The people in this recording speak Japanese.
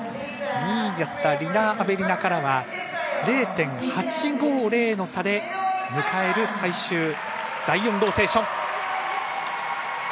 ２位だったディナ・アベリナからは０．８５０の差で迎える最終第４ローテーション。